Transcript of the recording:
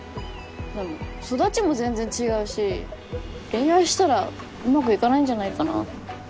でも育ちも全然違うし恋愛したらうまくいかないんじゃないかなぁ。